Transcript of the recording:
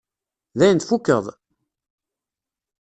Dayen tfukkeḍ?